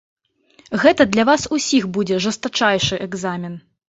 Гэта для вас усіх будзе жэстачайшы экзамен.